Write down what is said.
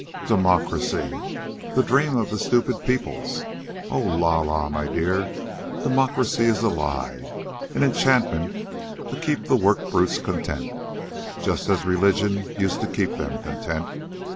"Democracy the dream of the stupid peoples. Oh, la la, my dear, democracy is a lie, an enchantment to keep the work brutes content, just as religion used to keep them content.